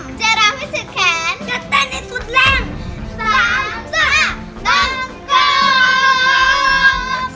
จะเต้นให้สุดแร่ง